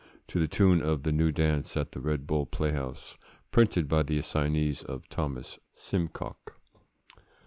To the tune of the New Dance at the Red Bull Playhouse. Printed by the assignees of Thomas Symcock.